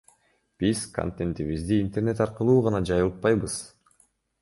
Биз контентибизди интернет аркылуу гана жайылтпайбыз.